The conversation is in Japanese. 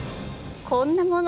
こんなもの。